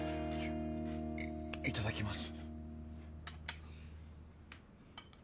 いただきます